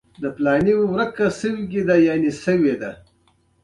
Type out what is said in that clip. سیمنټ یې اختراع کړل.